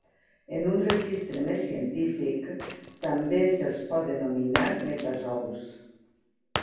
En un registre més científic, també se'ls pot denominar metazous.